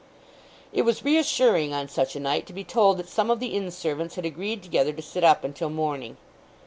It was reassuring, on such a night, to be told that some of the inn servants had agreed together to sit up until morning.